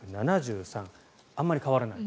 あまり変わらない。